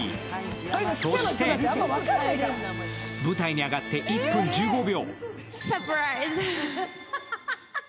そして舞台に上がって１分１５秒。